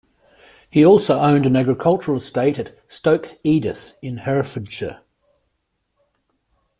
He also owned an agricultural estate at Stoke Edith in Herefordshire.